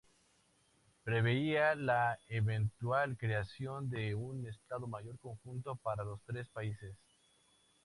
Preveía la eventual creación de un Estado Mayor conjunto para los tres países.